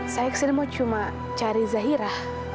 saya ke sini cuma mau cari zahira